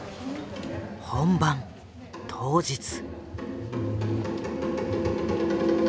本番当日。